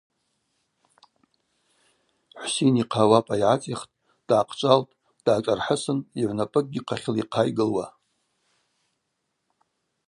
Хӏвсин йхъа ауапӏа йгӏацӏихтӏ, дгӏахъчӏвалтӏ, дгӏашӏырхӏысын йыгӏвнапӏыкӏгьи хъахьыла йхъайгылуа.